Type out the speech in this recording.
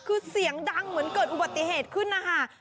คือเสียงดังเหมือนเกิดอุบัติเหตุขึ้นนะคะ